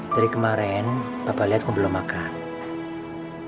dari kemarin papa liat kau belum makan